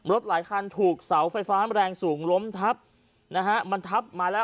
หลายคันถูกเสาไฟฟ้าแรงสูงล้มทับนะฮะมันทับมาแล้ว